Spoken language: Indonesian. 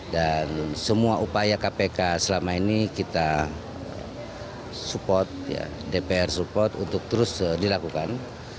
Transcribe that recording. dan semua upaya kpk selama ini kita support dpr support untuk terus dilakukan